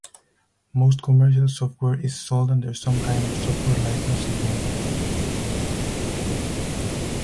Most commercial software is sold under some kind of software license agreement.